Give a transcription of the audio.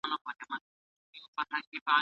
کمپيوټر مجله جوړوي.